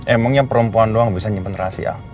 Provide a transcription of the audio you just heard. emangnya perempuan doang bisa nyimpen rahasia